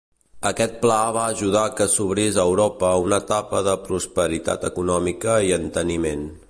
Aquest pla va ajudar que s'obrís a Europa una etapa de prosperitat econòmica i enteniment.